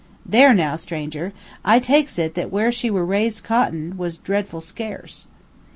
"There, now, stranger, I takes it that where she were raised _cotton was dreadful scarce."